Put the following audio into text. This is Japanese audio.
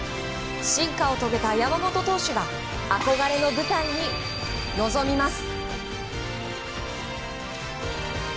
進化を遂げた山本投手が憧れの舞台に臨みます。